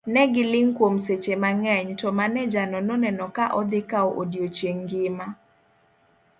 Ne giling' kuom seche mangeny, to maneja no neno ka odhi kawo odiochieng' ngima.